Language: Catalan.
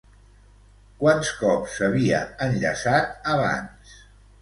Quants cops s'havia enllaçat, abans?